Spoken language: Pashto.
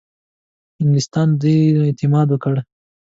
انګلیسیان دي دونه اعتماد وکړي.